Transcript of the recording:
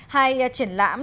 hai triển lãm